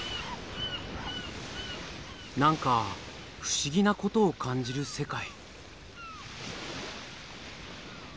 何か不思議なことを感じる世界。